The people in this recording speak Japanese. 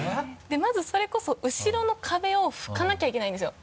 まずそれこそ後ろの壁をふかなきゃいけないんですよ。